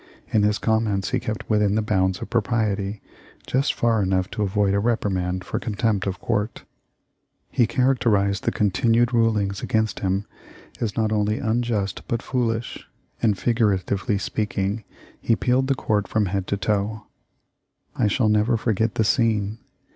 In his comments he kept within the bounds of propriety just far enough to avoid a reprimand for contempt of court. THE LIFE OF LINCOLN. 329 He characterized the continued rulings against him as not only unjust but foolish; and, figuratively speaking, he pealed the Court from head to foot. I shall never forget the scene.